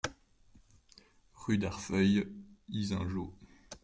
Rue d'Arfeuil, Yssingeaux